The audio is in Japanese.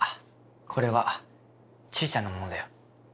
これはちーちゃんのものだよ。